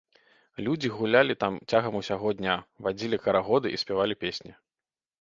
Людзі гулялі там цягам усяго дня, вадзілі карагоды і спявалі песні.